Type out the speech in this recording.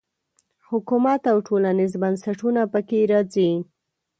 حکومت او ټولنیز بنسټونه په کې راځي.